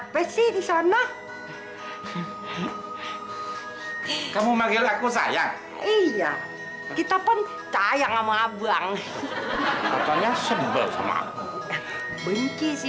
biar aku punya teman